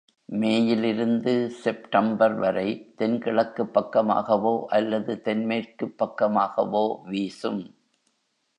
மேயிலிருந்து September வரை தென் கிழக்குப் பக்கமாகவோ அல்லது தென்மேற்குப் பக்கமாகவோ வீசும்.